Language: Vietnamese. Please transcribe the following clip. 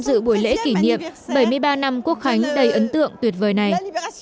dự buổi lễ kỷ niệm bảy mươi ba năm quốc khánh đầy ấn tượng tuyệt vời này